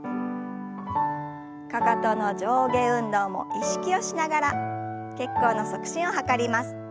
かかとの上下運動も意識をしながら血行の促進を図ります。